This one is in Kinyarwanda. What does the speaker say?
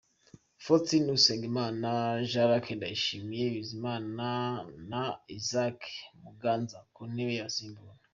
Faustin Usengimana, Jean Luc Ndayishimiye, Bizimana na Isaac Muganza ku ntebe y’abasimbura.